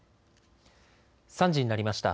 ３時になりました。